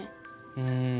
うん。